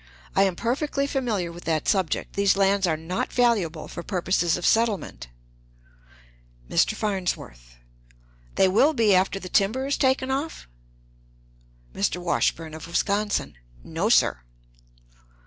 I am perfectly familiar with that subject. These lands are not valuable for purposes of settlement. "Mr. Farnsworth. They will be after the timber is taken off? "Mr. Washburn, of Wisconsin. No, sir.